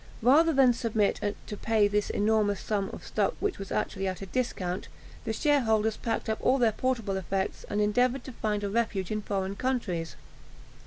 Rather than submit to pay this enormous sum for stock which was actually at a discount, the shareholders packed up all their portable effects, and endeavoured to find a refuge in foreign countries.